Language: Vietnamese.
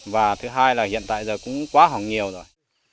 và thứ hai là hiện tại giờ cũng quá hỏng nhiều rồi